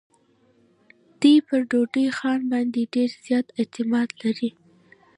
دی پر ډونډي خان باندي ډېر زیات اعتماد لري.